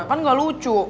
kan gak lucu